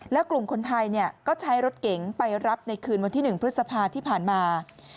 แล้วกลุ่มคนไทยก็ใช้รถเก๋งไปรับในคืนวันที่๑พฤษภาที่ผ่านมา